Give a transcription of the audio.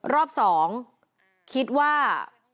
รอบสองคิดว่า